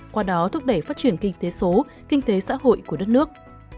qua đó thúc đẩy phát triển kinh tế số kinh tế xã hội của đất nước